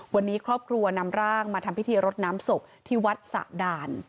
วันนี้ครอบครัวนำร่างมาทำพิธีรดน้ำศพที่วัดสะด่าน